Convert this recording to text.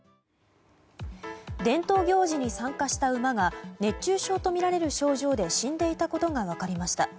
伝統行事に参加した馬が熱中症とみられる症状で死んでいたことが分かりました。